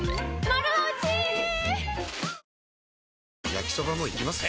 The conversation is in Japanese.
焼きソバもいきます？